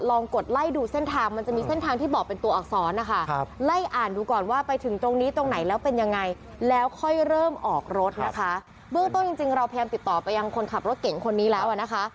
ออกรถนะคะเบื้องต้นจริงเราพยายามติดต่อไปยังคนขับรถเก่งคนนี้แล้วนะคะ